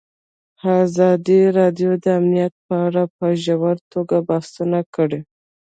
ازادي راډیو د امنیت په اړه په ژوره توګه بحثونه کړي.